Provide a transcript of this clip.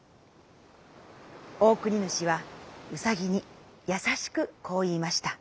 オオクニヌシはうさぎにやさしくこう言いました。